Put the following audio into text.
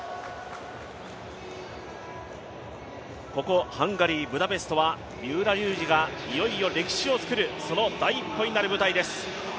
ここハンガリー・ブダペストは、三浦龍司がいよいよ歴史を作るその第一歩になる舞台です。